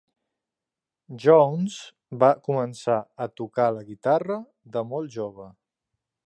Jones va començar a tocar la guitarra de molt jove.